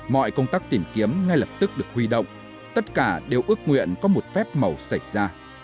mọi công tác tìm kiếm ngay lập tức được huy động tất cả đều ước nguyện có một phép màu xảy ra